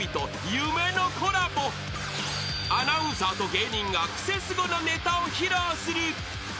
［アナウンサーと芸人がクセスゴなネタを披露する］